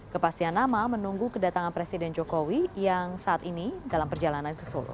kepastian nama menunggu kedatangan presiden jokowi yang saat ini dalam perjalanan ke solo